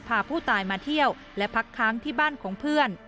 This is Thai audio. พาผู้ตายมาเที่ยวและพักค้างที่บ้านของเพื่อน